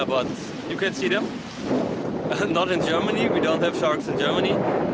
bukan di jerman kita tidak memiliki snorkeling di jerman